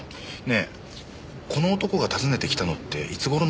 ねえこの男が訪ねてきたのっていつ頃の事かな？